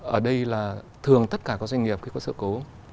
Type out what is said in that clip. ở đây là thường tất cả các doanh nghiệp khi có sự cố